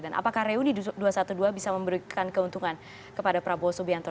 dan apakah reuni dua ratus dua belas bisa memberikan keuntungan kepada prabowo subianto